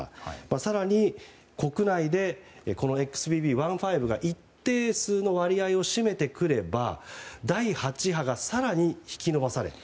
更に、国内でこのＸＢＢ．１．５が一定数の割合を占めてくれば第８波が更に引き延ばされる。